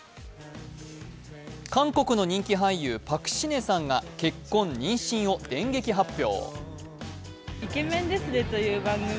韓国の人気俳優、パク・シネさんが結婚・妊娠を電撃発表。